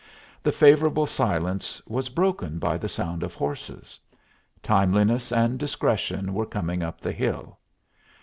The favorable silence was broken by the sound of horses. Timeliness and discretion were coming up the hill.